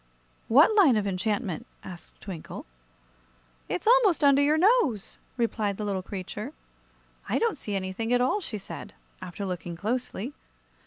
"What line of enchantment?" asked Twinkle. "It's almost under your nose," replied the little creature. "I don't see anything at all," she said, after looking closely.